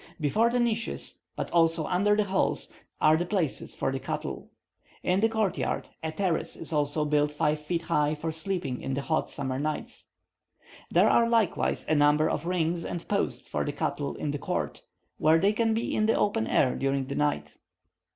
Before the niches, but also under the halls, are the places for the cattle. In the court yard, a terrace is also built five feet high for sleeping in the hot summer nights. There are likewise a number of rings and posts for the cattle in the court, where they can be in the open air during the night.